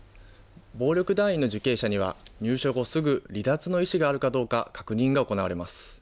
暴力団員の受刑者には、入所後すぐ離脱の意思があるかどうか確認が行われます。